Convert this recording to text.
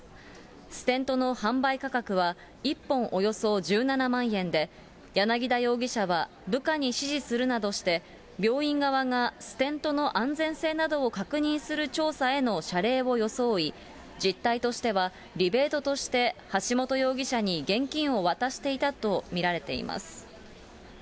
ステントの販売価格は１本およそ１７万円で、柳田容疑者は部下に指示するなどして、病院側がステントの安全性などを確認する調査への謝礼を装い、実態としてはリベートとして、橋本容疑者に現金を渡していたと見られています。